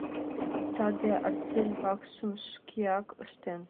Саде артель вакшым шкеак ыштен.